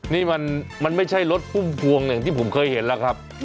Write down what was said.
นี่มันไม่ใช่รถพุ่มพวงอย่างที่ผมเคยเห็นแล้วครับ